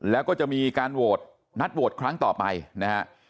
แล้วก็จะมีการโหวตนัดโหวตครั้งต่อไปนะฮะ